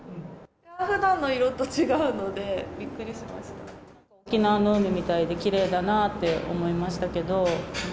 ふだんの色と違うので、沖縄の海みたいできれいだなって思いましたけど。